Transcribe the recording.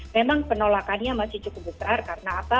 memang penolakannya masih cukup besar karena apa